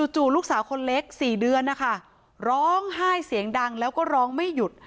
จู่ลูกสาวคนเล็ก๔เดือนนะคะร้องไห้เสียงดังแล้วก็ร้องไม่หยุด